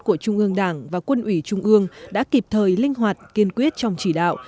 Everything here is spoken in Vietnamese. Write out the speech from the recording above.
của trung ương đảng và quân ủy trung ương đã kịp thời linh hoạt kiên quyết trong chỉ đạo